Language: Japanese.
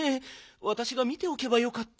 わたしが見ておけばよかった。